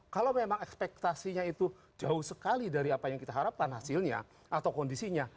kalau memang ekspektasinya itu jauh sekali dari apa yang kita harapkan hasilnya atau kondisinya